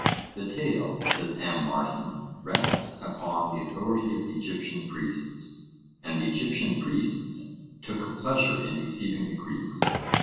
'The tale,' says M. Martin, 'rests upon the authority of the Egyptian priests; and the Egyptian priests took a pleasure in deceiving the Greeks.'